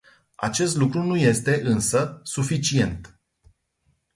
Acest lucru nu este, însă, suficient.